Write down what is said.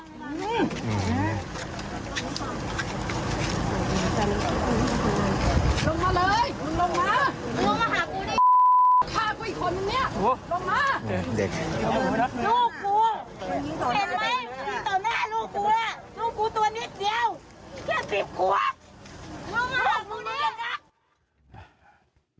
ลูกมาหากูนี้